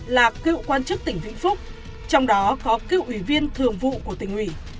là cựu quan chức tỉnh vĩnh phúc trong đó có cựu ủy viên thường vụ của tỉnh ủy